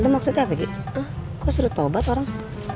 maksudnya apa gitu kok suruh tobat orang